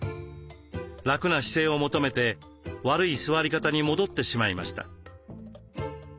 楽な姿勢を求めて悪い座り方に戻ってしまいました。